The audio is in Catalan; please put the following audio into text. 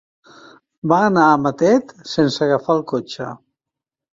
Va anar a Matet sense agafar el cotxe.